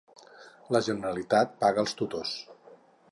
La Generalitat paga els tutors